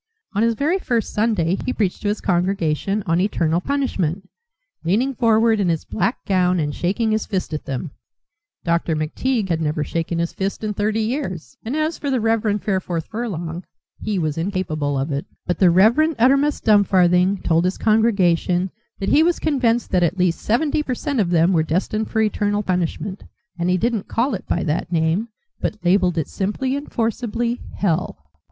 On his very first Sunday he preached to his congregation on eternal punishment, leaning forward in his black gown and shaking his fist at them. Dr. McTeague had never shaken his fist in thirty years, and as for the Rev. Fareforth Furlong, he was incapable of it. But the Rev. Uttermust Dumfarthing told his congregation that he was convinced that at least seventy per cent of them were destined for eternal punishment; and he didn't call it by that name, but labelled it simply and forcibly "hell."